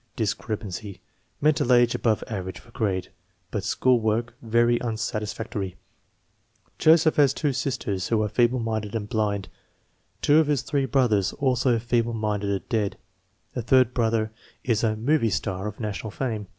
Discrepancy: Mental age above average for grade, but school work very unsatisfactory. Joseph has two sisters who are feeble minded and blind. Two of his three brothers, also feeble minded, are dead. The third brother is a "movie" star of national fame.